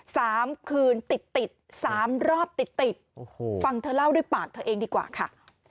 สามคืนติดติดสามรอบติดติดโอ้โหฟังเธอเล่าด้วยปากเธอเองดีกว่าค่ะ